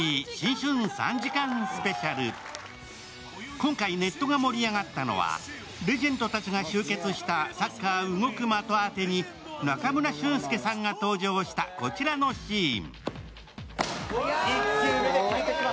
今回、ネットが盛り上がったのはレジェンドたちが集結したサッカー動く的当てに中村俊輔さんが登場したこちらのシーン。